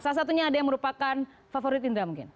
salah satunya ada yang merupakan favorit indra mungkin